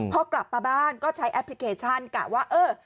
พอกลับมาบ้านก็ใช้แอปพลิเคชันกะว่าเออ